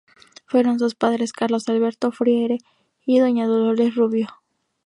Fueron sus padres Carlos Alberto Freire y doña Dolores Rubio.